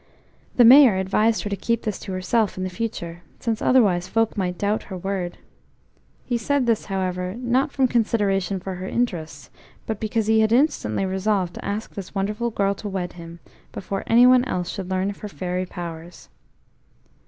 The Mayor advised her to keep this to herself in future, since otherwise folk might doubt her word. He said this, however, not from consideration for her interests, but because he had instantly resolved to ask this wonderful girl to wed him, before any one else should learn of her fairy powers.